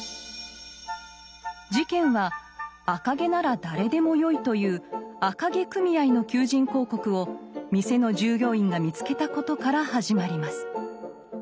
事件は赤毛なら誰でもよいという赤毛組合の求人広告を店の従業員が見つけたことから始まります。